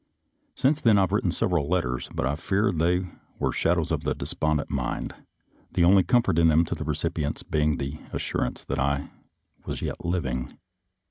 Since then I have written several letters, but I fear they were the shadows of a despondent mind — the only comfort in them to the recipients being the as surance that I was yet living.